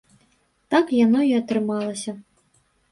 Так яно і атрымалася!